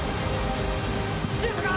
シュートだ！